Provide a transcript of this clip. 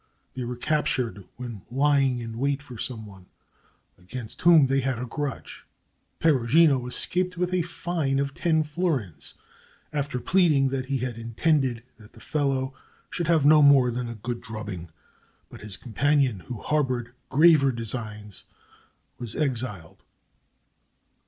They were captured when lying in wait for someone against whom they had a grudge. Perugino escaped with a fine of ten florins after pleading that he had intended that the fellow should have no more than a good drubbing; but his companion, who harbored graver designs, was exiled.